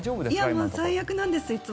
もう最悪なんですいつも。